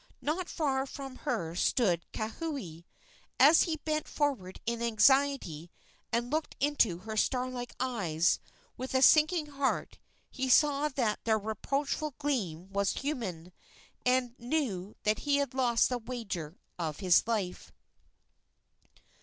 Not far from her stood Kauhi. As he bent forward in anxiety and looked into her star like eyes, with a sinking heart he saw that their reproachful gleam was human, and knew that he had lost the wager of his life.